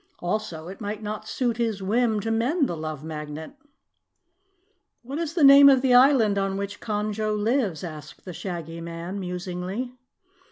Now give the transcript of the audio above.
Also, it might not suit his whim to mend the Love Magnet." "What is the name of the island on which Conjo lives?" asked the Shaggy Man musingly.